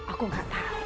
aku gak tahu